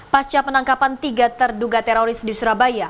pasca penangkapan tiga terduga teroris di surabaya